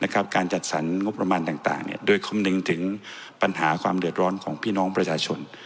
การจัดสรรงบประมาณต่างโดยคำนึงถึงปัญหาความเดือดร้อนของพี่น้องประชาชน